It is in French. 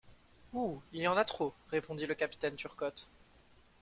Où il y en a trop! répondit le capitaine Turcotte.